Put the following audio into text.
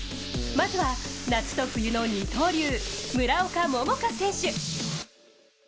まずは、夏と冬の二刀流、村岡桃佳選手。